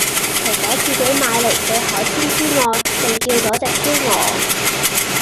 除左自己買黎既海鮮之外仲叫左隻燒鵝